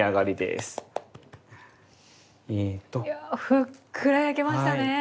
ふっくら焼けましたね！